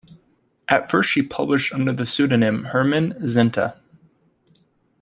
At first she published under the pseudonym Hermann Zenta.